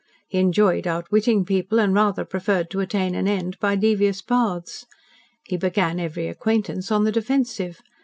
He enjoyed outwitting people and rather preferred to attain an end by devious paths. He began every acquaintance on the defensive.